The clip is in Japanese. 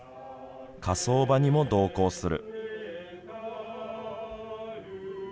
火葬場にも同行する。